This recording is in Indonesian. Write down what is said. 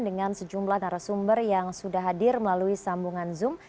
dengan sejumlah narasumber yang sudah hadir melalui sambungan zoom